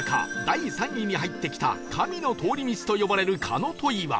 第３位に入ってきた神の通り道と呼ばれる神戸岩